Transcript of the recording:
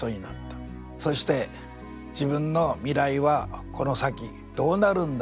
そして自分の未来はこの先どうなるんだろう